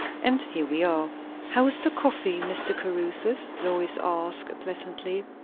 And here we are." "How is the coffee, Mr. Caruthers?" Lois asked pleasantly.